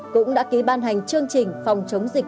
cũng đã ký ban hành chương trình phòng chống dịch